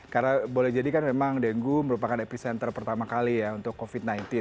karena boleh jadikan memang denggu merupakan epicenter pertama kali ya untuk covid sembilan belas